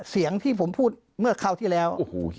เสียงที่ผมพูดเมื่อคราวที่แล้ว